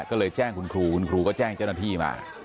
ก็เลยแจ้งคุณครูคุณครูก็แจ้งเจ้าหน้าที่มา